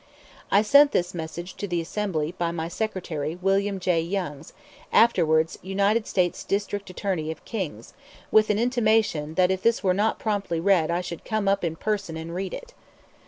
I sent this message to the Assembly, by my secretary, William J. Youngs, afterwards United States District Attorney of Kings, with an intimation that if this were not promptly read I should come up in person and read it.